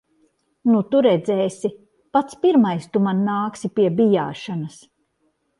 Nu tu redzēsi. Pats pirmais tu man nāksi pie bijāšanas.